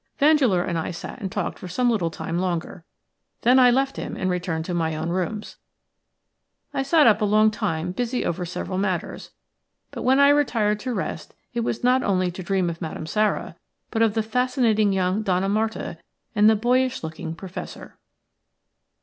Vandeleur and I sat and talked for some little time longer, then I left him and returned to my own rooms. I sat up a long time busy over several matters: but when I retired to rest it was not only to dream of Madame Sara, but of the fascinating young Donna Marta and the boyish looking Professor.